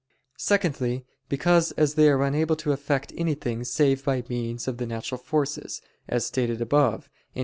Secondly, because as they are unable to effect anything save by means of the natural forces, as stated above (Q.